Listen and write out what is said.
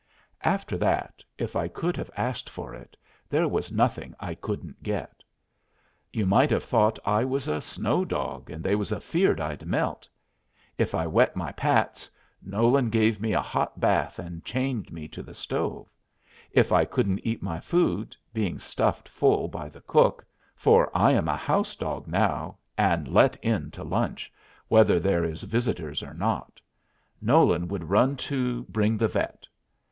After that, if I could have asked for it, there was nothing I couldn't get. You might have thought I was a snow dog, and they was afeard I'd melt. If I wet my pats, Nolan gave me a hot bath and chained me to the stove; if I couldn't eat my food, being stuffed full by the cook for I am a house dog now, and let in to lunch, whether there is visitors or not, Nolan would run to bring the vet.